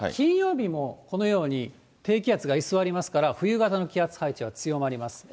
ただ、金曜日もこのように低気圧が居座りますから、冬型の気圧配置は強まります。